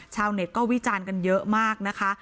ชาวเน็ตก็วิจารณ์กันเยอะมากนะคะ